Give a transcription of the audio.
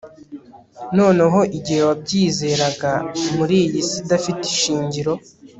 noneho, igihe wabyizeraga, muri iyi si idafite ishingiro